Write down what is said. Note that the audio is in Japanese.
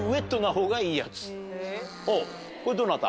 これどなた？